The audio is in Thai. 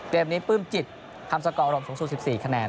เกมนี้ปื้มจิตทำต้องก่ออารมณ์สูงสูง๑๔คะแนน